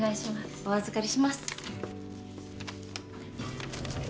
お預かりします。